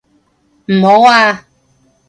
唔好啊！